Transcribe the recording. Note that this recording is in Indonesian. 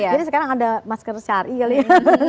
jadi sekarang ada masker syari kali ya